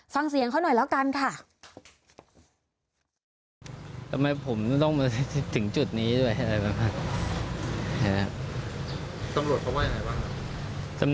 ฟังเสียงเขาหน่อยแล้วกันค่ะ